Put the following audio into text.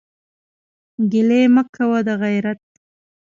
ګلې مه کوه دغېرت.